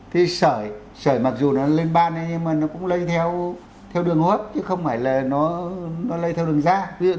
thế sởi sởi mặc dù nó lên ban ấy nhưng mà nó cũng lây theo đường hô hấp chứ không phải là nó lây theo đường da